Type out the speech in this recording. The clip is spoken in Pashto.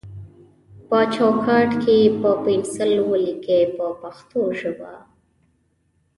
په چوکاټ کې یې په پنسل ولیکئ په پښتو ژبه.